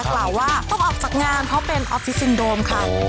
กล่าวว่าต้องออกจากงานเพราะเป็นออฟฟิซินโดมค่ะ